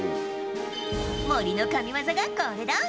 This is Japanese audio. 森の神技がこれだ。